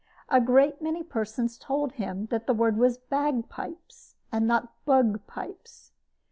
A great many persons told him that the word was "bagpipes," and not "bugpipes."